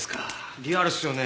リアルっすよね。